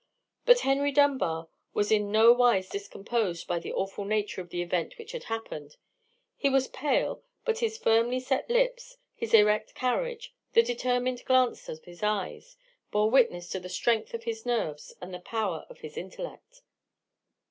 But Henry Dunbar was in nowise discomposed by the awful nature of the event which had happened. He was pale; but his firmly set lips, his erect carriage, the determined glance of his eyes, bore witness to the strength of his nerves and the power of his intellect.